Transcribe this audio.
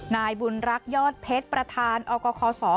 นายบุญรักษ์ยอดเผ็ดประธานออกครอสร